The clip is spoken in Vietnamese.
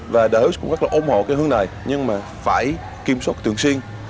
và đại ước cũng rất là ủng hộ cái hướng này nhưng mà phải kiểm soát tương xuyên